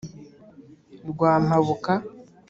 rwa mpabuka